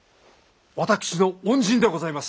私の恩人でございます。